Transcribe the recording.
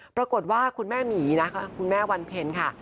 ปรากฏว่าคุณแม่หมีนะคะคุณแม่วันเพ็ญค่ะ